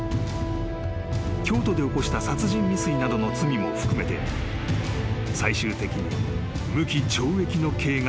［京都で起こした殺人未遂などの罪も含めて最終的に］